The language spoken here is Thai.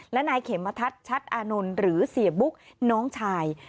และนายเขมทัศน์ชัดอานนท์หรือเสียบุ๊กน้องชาย